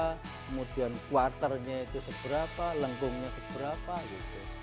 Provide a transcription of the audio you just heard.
nanya nanya nanya akhirnya jadilah seperti itu